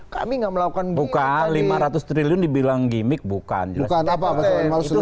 kami enggak melakukan bukan lima ratus triliun dibilang gimmick bukan bukan apa apa itu